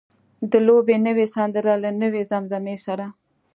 د لوبې نوې سندره له نوې زمزمې سره.